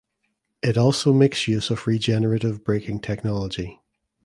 It also makes use of regenerative braking technology.